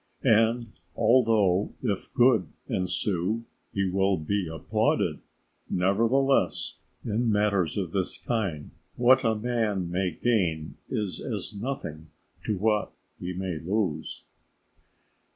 And although if good ensue he will be applauded, nevertheless in matters of this kind, what a man may gain is as nothing to what he may lose.